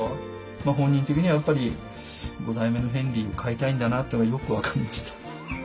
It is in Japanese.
本人的にはやっぱり５代目のヘンリーを飼いたいんだなってよく分かりました。